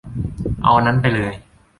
เอาอันนั้นไปเลย